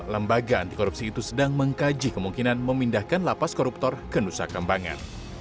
lembaga anti korupsi itu sedang mengkaji kemungkinan memindahkan lapas koruptor ke nusa kambangan